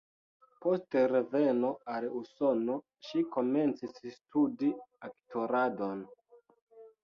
Post reveno al Usono, ŝi komencis studi aktoradon.